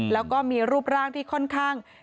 แล้วก็มีรูปร่างที่ค่อนข้าง